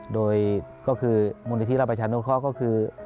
โดยก็คือมูาริทิระบัชนุพระก็คือ